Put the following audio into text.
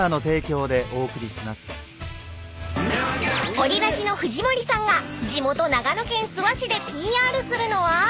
［オリラジの藤森さんが地元長野県諏訪市でＰＲするのは］